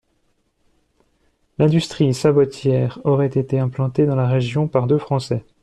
L'industrie sabotière aurait été implantée dans la région par deux Français.